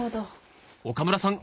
岡村さん！